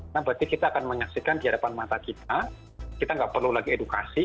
nah berarti kita akan menyaksikan di hadapan mata kita kita nggak perlu lagi edukasi